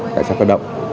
cảnh sát cơ động